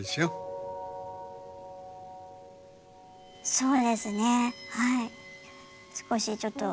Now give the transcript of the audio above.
そうですねはい。